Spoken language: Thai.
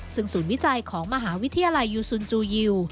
ซึ่งศูนย์วิจัยของมหาวิทยาลัยยูซุนจูยิว